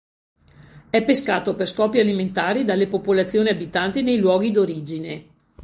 È pescato per scopi alimentari dalle popolazioni abitanti nei luoghi d'origine.